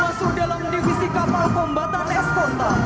masuk dalam divisi kapal pembatan eskonta